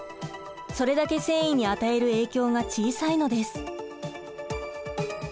それだけ繊維に与える影響が小さいのです。